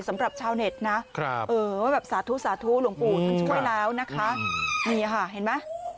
สำหรับชาวเน็ตนะเออแบบสาธุสาธุหลวงปู่ท่านช่วยแล้วนะคะนี่ค่ะเห็นไหม